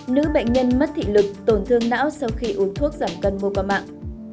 nữ bệnh nhân mất thị lực tổn thương não sau khi uống thuốc giảm cân mua qua mạng